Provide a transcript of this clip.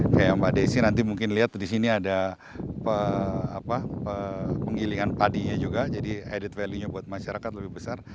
kayak mbak desi nanti mungkin lihat di sini ada penggilingan padinya juga jadi added value nya buat masyarakat lebih besar